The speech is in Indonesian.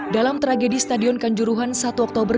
dalam tragedi stadion kanjuruhan satu oktober dua ribu dua puluh dua